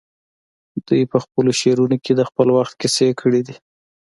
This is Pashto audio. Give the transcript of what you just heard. دوی په خپلو شعرونو کې د خپل وخت کیسې کړي دي